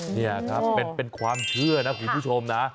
นี่ครับเป็นความเชื่อนะคุณผู้ชมนะ